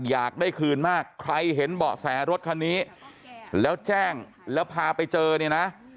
อยากได้คืนมากใครเห็นเบาะแสรถคันนี้แล้วแจ้งแล้วพาไปเจอเนี่ยนะ